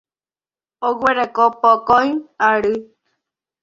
Oguereko pokõi ary.